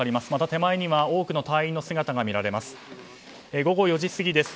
手前には多くの隊員の姿も見られます。